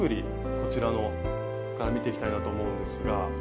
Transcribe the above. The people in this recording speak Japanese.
こちらから見ていきたいなと思うんですが。